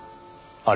あれ？